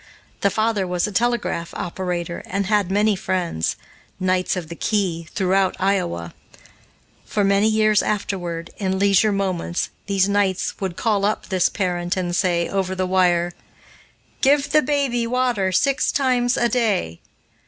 The father was a telegraph operator and had many friends knights of the key throughout Iowa. For many years afterward, in leisure moments, these knights would "call up" this parent and say, over the wire, "Give the baby water six times a day."